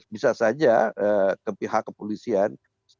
bisa saja pihak kepolisian